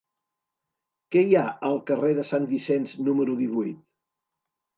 Què hi ha al carrer de Sant Vicenç número divuit?